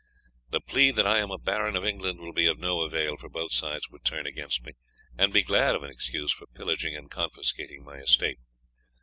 The plea that I am a baron of England will be of no avail, for both sides would turn against me and be glad of an excuse for pillaging and confiscating my estate.